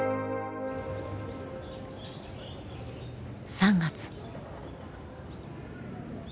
３月。